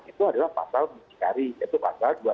itu adalah pasal mencari itu pasal